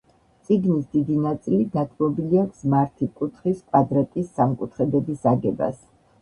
წიგნის დიდი ნაწილი დათმობილი აქვს მართი კუთხის, კვადრატის, სამკუთხედების აგებას.